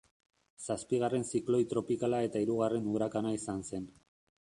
Zazpigarren zikloi tropikala eta hirugarren urakana izan zen.